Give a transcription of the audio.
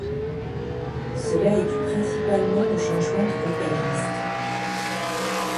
Cela est du principalement au changement de vocaliste.